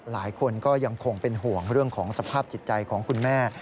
หลายคนก็ยังคงเป็นห่วงเรื่องของสภาพจิตใจของคุณแม่